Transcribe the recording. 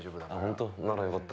本当ならよかった。